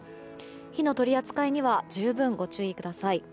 火の取り扱いには十分ご注意ください。